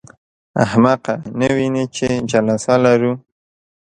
احمقه! نه وینې چې جلسه لرو.